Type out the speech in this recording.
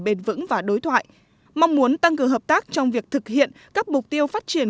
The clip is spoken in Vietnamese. bền vững và đối thoại mong muốn tăng cường hợp tác trong việc thực hiện các mục tiêu phát triển